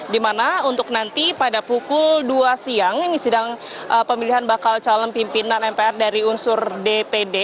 dimana untuk nanti pada pukul dua siang ini sidang pemilihan bakal calon pimpinan mpr dari unsur dpd